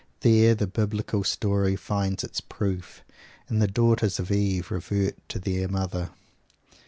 There the Biblical story finds its proof, and the daughters of Eve revert to their mother.